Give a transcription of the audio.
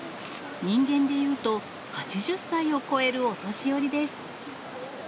人間でいうと８０歳を超えるお年寄りです。